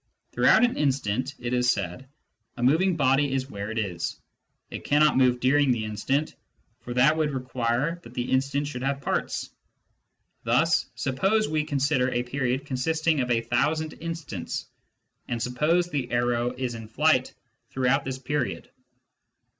Throughout an instant, it is said, a moving body is where it is : it cannot move during the instant, for that would require that the instant should have parts. Thus, suppose we consider a period consisting of a thousand instants, and suppose the arrow is in flight throughout this period.